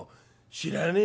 「知らねえ？